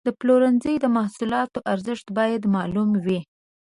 د پلورنځي د محصولاتو ارزښت باید معلوم وي.